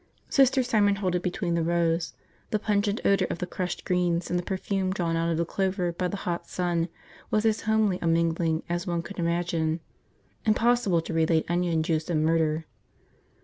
Sister Simon halted between the rows. The pungent odor of the crushed greens and the perfume drawn out of the clover by the hot sun was as homely a mingling as one could imagine. Impossible to relate onion juice and murder.